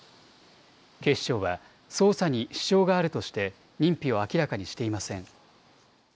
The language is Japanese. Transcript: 警視庁は捜査に支障があるとして認否を明らかにしていません。